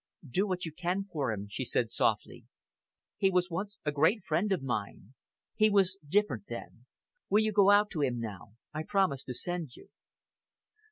"Do what you can for him," she said softly. "He was once a great friend of mine. He was different then! Will you go out to him now? I promised to send you."